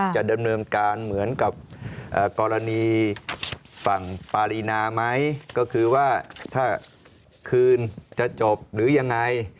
จะดำเนินการเหมือนกับกรณีฝั่งปารีนาไหมก็คือว่าถ้าคืนจะจบหรือยังไง